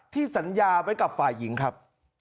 สัญญาไว้กับฝ่ายหญิงครับ